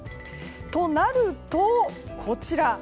となると、こちら。